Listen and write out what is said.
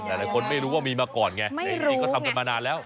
หลายคนไม่รู้ว่ามีมาก่อนไงแต่จริงก็ทำกันมานานแล้ว